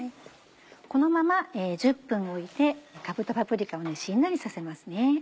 このまま１０分置いてかぶとパプリカをしんなりさせますね。